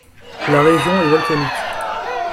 La région est volcanique.